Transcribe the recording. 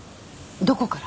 どこから？